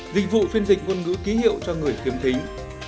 dịch vụ phiên dịch ngôn ngữ ký hiệu cho người khiếm thính